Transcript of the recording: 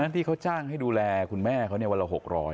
ที่เขาจ้างให้ดูแลคุณแม่เขาวันละ๖๐๐